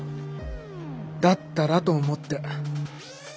だったらと思って。